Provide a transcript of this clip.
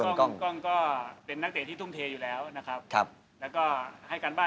นะครับโค้ดโก้ตอนนี้บอกว่า